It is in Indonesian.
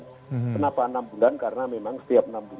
kenapa enam bulan karena memang setiap enam bulan